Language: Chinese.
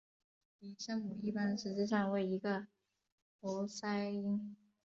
零声母一般实质上为一个喉塞音。